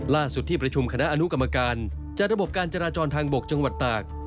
ที่ประชุมคณะอนุกรรมการจัดระบบการจราจรทางบกจังหวัดตาก